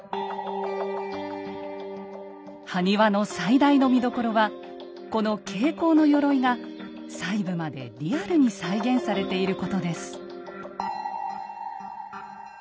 埴輪の最大の見どころはこの挂甲のよろいが細部までリアルに再現されていることです。